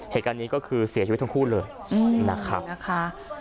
เหตุการณ์นี้ก็คือเสียชีวิตทั้งคู่เลยนะครับนะคะ